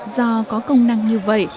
do có công năng như vậy